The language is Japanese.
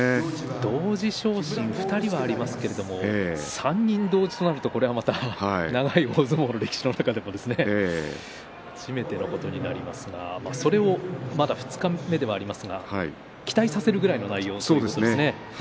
同時昇進２人はありますけれども３人同時となると長い大相撲の歴史の中でも初めてのことになりますがそれをまだ二日目ではありますが期待させる内容ですね。